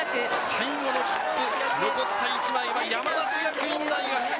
最後の切符、残った１枚は山梨学院大学。